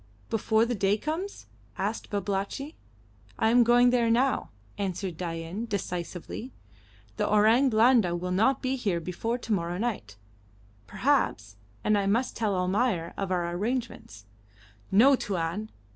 "Before the day comes?" asked Babalatchi. "I am going there now," answered Dain, decisively. "The Orang Blanda will not be here before to morrow night, perhaps, and I must tell Almayer of our arrangements." "No, Tuan.